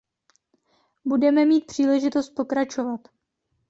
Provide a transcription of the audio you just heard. Budeme mít příležitost pokračovat.